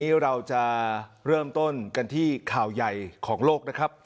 วันนี้เราจะเริ่มต้นกันที่ข่าวใหญ่ของโลกนะครับ